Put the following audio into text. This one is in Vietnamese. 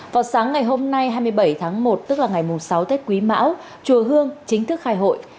vào sáng ngày hôm nay hai mươi bảy tháng một tức là ngày sáu tết quý mão chùa hương chính thức khai hội